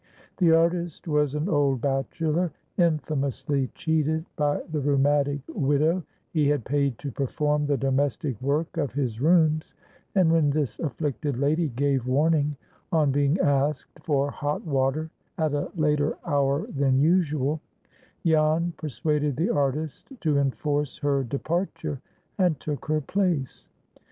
The artist was an old bachelor, infamously cheated by the rheumatic widow he had paid to perform the domestic work of his rooms; and when this afflicted lady gave warning on being asked for hot water at a later hour than usual, Jan persuaded the artist to enforce her departure, and took her place.